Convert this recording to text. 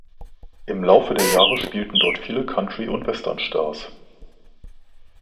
Im Laufe der Jahre spielten dort viele Country- und Westernstars.